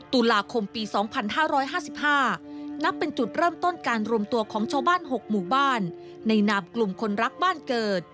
ตุลาคมปี๒๕๕๕นับเป็นจุดเริ่มต้นการรวมตัวของชาวบ้าน๖หมู่บ้านในนามกลุ่มคนรักบ้านเกิด